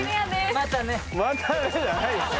「またね」じゃないですよ。